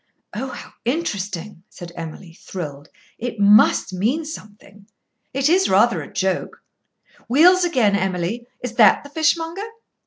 "Oh, how interesting!" said Emily, thrilled. "It must mean something." "It is rather a joke. Wheels again, Emily. Is that the fishmonger?"